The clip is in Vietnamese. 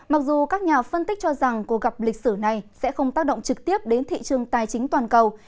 mặc dù các nhà phân tích cho rằng cuộc gặp lịch sử này sẽ không tác động trực tiếp đến thị trường tài chính toàn cầu